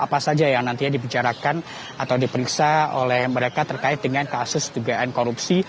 apa saja yang nantinya dibicarakan atau diperiksa oleh mereka terkait dengan kasus dugaan korupsi